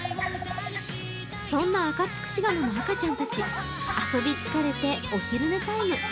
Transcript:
そんなアカツクシガモの赤ちゃんたち遊び疲れてお昼寝タイム。